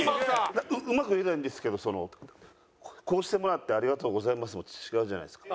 うまく言えないんですけどその「こうしてもらってありがとうございます」も違うじゃないですか。